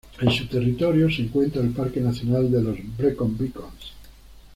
En su territorio se encuentra el parque nacional de los Brecon Beacons.